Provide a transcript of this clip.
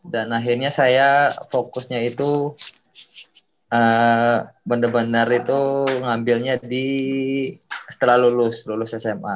dan akhirnya saya fokusnya itu bener bener itu ngambilnya di setelah lulus sma